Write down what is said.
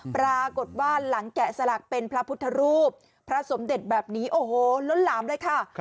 ปรากฏว่าหลังแกะสลักเป็นพระพุทธรูปพระสมเด็จแบบนี้โอ้โหล้นหลามเลยค่ะ